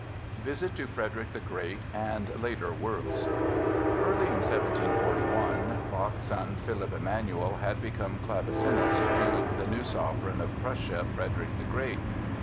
VISIT TO FREDERICK THE GREAT AND LATER WORKS Early in 1741 Bach's son Philipp Emanuel had become clavecinist to the new sovereign of Prussia, Frederick the Great.